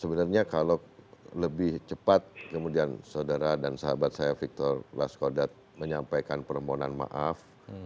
sebenarnya kalau lebih cepat kemudian saudara dan sahabat saya victor laskodat menyampaikan permohonan maaf